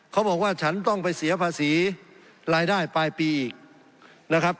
เขาบอกว่าฉันต้องไปเสียภาษีรายได้ปลายปีอีกนะครับ